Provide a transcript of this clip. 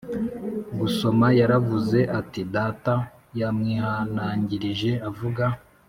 Gusoma yaravuze ati data yamwihanangirije avuga